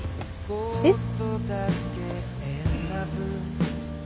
えっ！？